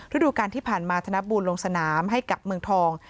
ฤดูการที่ผ่านมาธนบูลลงสนามให้กับเมืองทอง